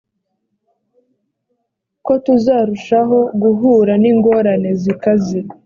ko tuzarushaho guhura n ingorane zikaze